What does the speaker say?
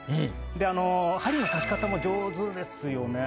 で針の刺し方も上手ですよね。